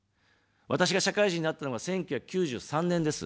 私が社会人になったのが１９９３年です。